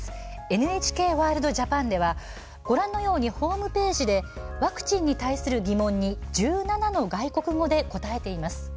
ＮＨＫワールドＪＡＰＡＮではご覧のようにホームページでワクチンに対する疑問に１７の外国語で答えています。